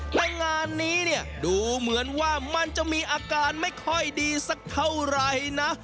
แต่งานนี้เนี่ยดูเหมือนว่ามันจะมีอาการไม่ค่อยดีสักเท่าไหร่นะ